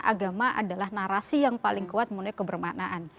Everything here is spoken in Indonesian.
agama adalah narasi yang paling kuat mengenai kebermaknaan